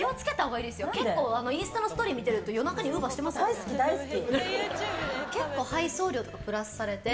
結構インスタのストーリー見ると大好き。